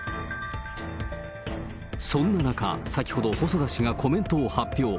そんな中、先ほど細田氏がコメントを発表。